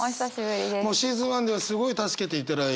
もうシーズン１ではすごい助けていただいて。